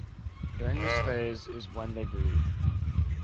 During this phase is when they breathe.